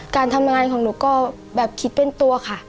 การทำงานของหนูก็แบบคิดเป็นตัวค่ะ